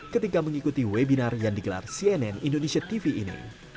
ketika mengikuti webinar yang digelar cnn indonesia tv ini